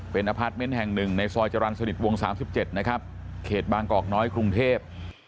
เป็นอพาร์ทเมนต์แห่งหนึ่งในซอยจรรย์สนิทวง๓๗นะครับเขตบางกอกน้อยกรุงเทพ